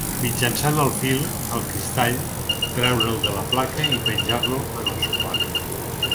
Mitjançant el fil, el cristall, treure'l de la placa i penjar-lo en el suport.